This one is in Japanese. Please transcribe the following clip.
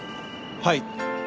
はい。